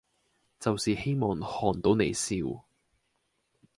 就是希望看到你笑